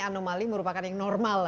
anomali merupakan yang normal